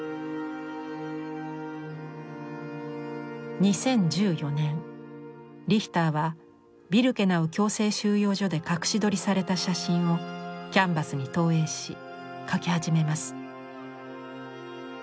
２０１４年リヒターはビルケナウ強制収容所で隠し撮りされた写真をキャンバスに投影し描き始めます。